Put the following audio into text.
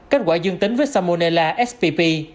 kết quả dương tính với salmonella sbb